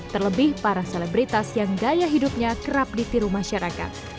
terlebih para selebritas yang gaya hidupnya kerap ditiru masyarakat